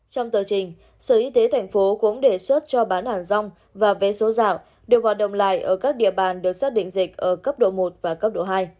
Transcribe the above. trong tờ trình sở y tế thành phố cũng đề xuất cho bán hàng rong và vé số dạo đều hoạt động lại ở các địa bàn được xác định dịch ở cấp độ một và cấp độ hai